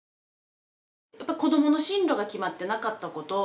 やっぱ子供の進路が決まってなかったこと